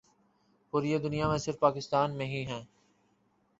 پوری دنیا میں صرف پاکستان میں ہی ہیں ۔